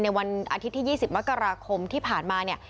ในวันอาทิตย์ที่๒๐มกราคมที่ผ่านมา